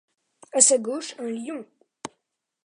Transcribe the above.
À sa gauche, un lion.